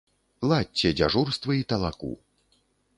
Ладзьце дзяжурствы і талаку.